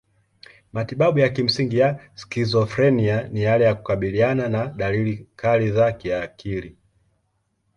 Matibabu ya kimsingi ya skizofrenia ni yale ya kukabiliana na dalili kali za kiakili.